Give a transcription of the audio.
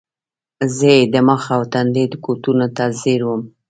زۀ ئې د مخ او تندي کوتونو ته زیر ووم ـ